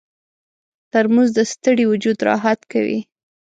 ترموز د ستړي وجود راحت کوي.